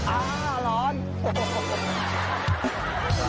อ่าร้อน